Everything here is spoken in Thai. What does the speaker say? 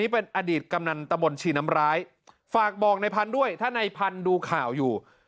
เป็นอดีตกำนันตะบนชีน้ำร้ายฝากบอกในพันธุ์ด้วยถ้าในพันธุ์ดูข่าวอยู่